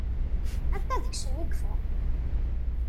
Anta deg-sen i yeffɣen?